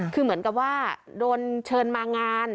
คือเหมือนกับว่าโดนเชิญมางาน